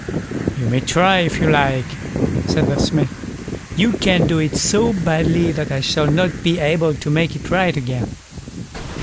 "You may try, if you like", said the Smith; "you can't do it so badly that I shall not be able to make it right again."